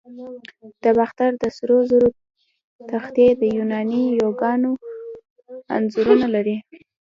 د باختر د سرو زرو تختې د یوناني دیوگانو انځورونه لري